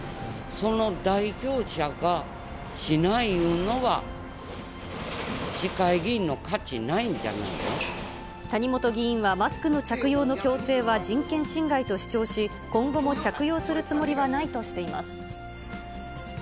その代表者がしないいうのは、谷本議員はマスクの着用の強制は人権侵害と主張し、今後も着用するつもりはないとしています。